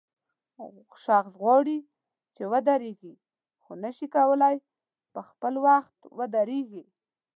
شخص غواړي چې ودرېږي خو نشي کولای په خپل وخت ودرېږي.